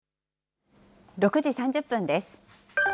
６時３０分です。